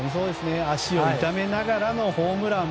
足を痛めながらのホームラン。